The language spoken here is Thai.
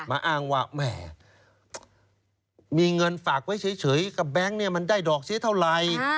อ้างว่าแหมมีเงินฝากไว้เฉยกับแบงค์เนี่ยมันได้ดอกเสียเท่าไร